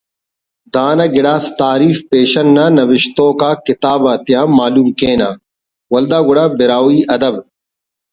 دانا گڑاس تعریف پیشن نا نوشتوک آتا کتاب آتیان معلوم کینہ ولدا گڑا براہوئی ادب